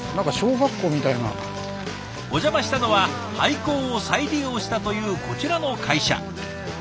お邪魔したのは廃校を再利用したというこちらの会社。